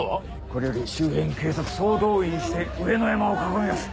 これより周辺警察総動員して上野山を囲みます。